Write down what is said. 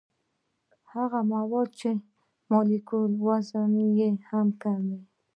هغه مواد چې مالیکولي وزن یې کم وي.